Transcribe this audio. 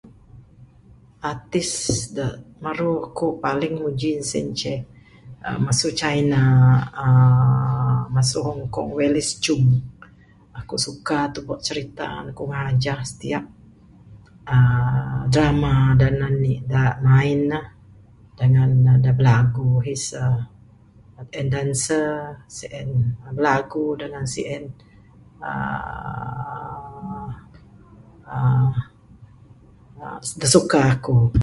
Artist da maru ku paling muji ne sien inceh masu china aaaa masu Hong Kong Wales Chung. Aku suka tubek cirita ne, ku ngajah setiap aaaa drama da nani da nain ne dangan da bilagu, he's a dancer, sien bilagu, dangan sien aaaaaaaa, da suka ku.